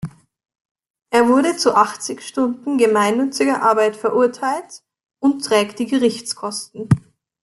Er wurde zu achtzig Stunden gemeinnütziger Arbeit verurteilt und trägt die Gerichtskosten.